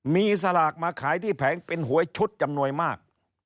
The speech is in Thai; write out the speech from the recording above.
มีสลากมาขายที่แผงเป็นหวยชุดจำนวนมาก